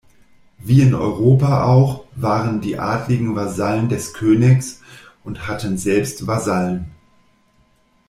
Wie in Europa auch waren die Adligen Vasallen des Königs und hatten selbst Vasallen.